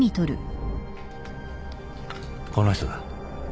この人だ。